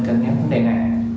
cẩn thận vấn đề này